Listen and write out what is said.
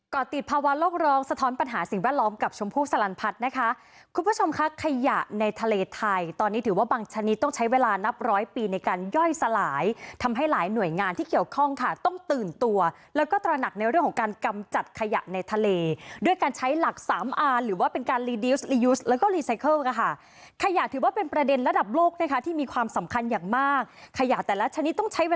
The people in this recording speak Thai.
ก่อติดภาวะโรคร้องสะท้อนปัญหาสิ่งแวดล้อมกับชมพูทรรรณพัฒน์นะคะคุณผู้ชมค่ะขยะในทะเลไทยตอนนี้ถือว่าบางชนิดต้องใช้เวลานับร้อยปีในการย่อยสลายทำให้หลายหน่วยงานที่เกี่ยวข้องค่ะต้องตื่นตัวแล้วก็ตราหนักในเรื่องของการกำจัดขยะในทะเลด้วยการใช้หลัก๓อ่านหรือว่าเป็นการลีดิวซ์ลี